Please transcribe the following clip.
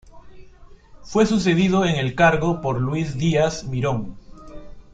Fue sucedido en el cargo por Luis Díaz Mirón.